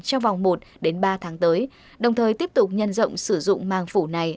trong vòng một đến ba tháng tới đồng thời tiếp tục nhân rộng sử dụng màng phủ này